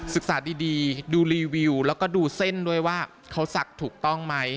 ศึกษาดีดูรีวิวแล้วก็ดูเส้นด้วยว่าเขาศักดิ์ถูกต้องไหม